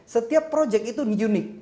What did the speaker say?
setiap proyek itu unik